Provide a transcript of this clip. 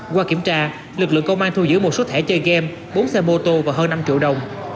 qua kiểm tra lực lượng công an thu giữ một số thể chơi game bốn xe mô tô và hơn năm triệu đồng